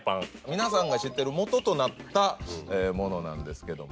皆さんが知っている元となったものなんですけども。